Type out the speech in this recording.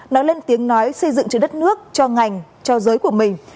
nói lên tiếng nói xây dựng cho đất nước cho ngành cho giới của mình